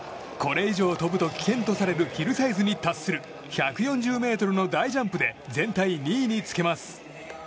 これ以上飛ぶと危険とされるヒルサイズに達する１４０ｍの大ジャンプで全体２位につけます。